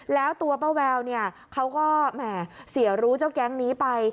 แล้วตัวป้าแววเขาก็เสียรู้เจ้าแก๊งนี้ไป